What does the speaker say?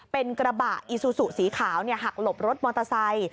เป็นกระบะอีซูซูสีขาวหักหลบรถมอเตอร์ไซค์